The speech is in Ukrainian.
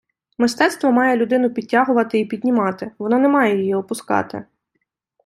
Мистецтво має людину підтягувати і піднімати, воно не має ії опускати